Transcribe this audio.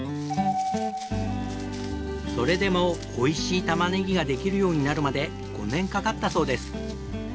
それでもおいしいたまねぎができるようになるまで５年かかったそうです。